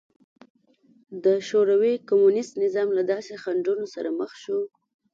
د شوروي کمونېست نظام له داسې خنډونو سره مخ شو